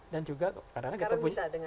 dan juga karena kita punya